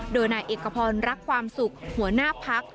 โดยนายเอกพรรักความสุขหัวหน้าพัก